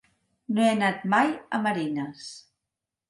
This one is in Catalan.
No he anat mai a Marines.